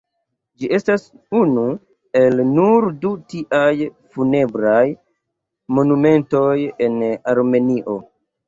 Ĝi estas unu el nur du tiaj funebraj monumentoj en Armenio.